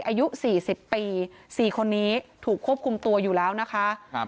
อายุสี่สิบปีสี่คนนี้ถูกควบคุมตัวอยู่แล้วนะคะครับ